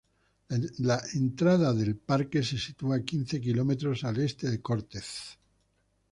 La entrada del parque se sitúa a quince kilómetros al este de Cortez.